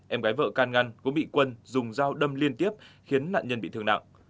em gái vợ can ngăn cũng bị quân dùng dao đâm liên tiếp khiến nạn nhân bị thương nặng